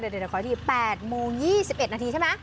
เดี๋ยวขออีกที๘โมง๒๑นาทีใช่ไหม